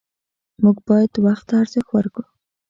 موږ باید وخت ته ارزښت ورکړو